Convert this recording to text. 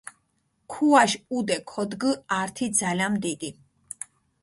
ქუაშ ჸუდე ქოდგჷ ართი ძალამ დიდი.